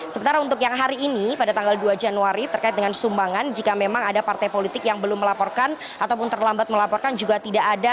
sementara untuk yang hari ini pada tanggal dua januari terkait dengan sumbangan jika memang ada partai politik yang belum melaporkan ataupun terlambat melaporkan juga tidak ada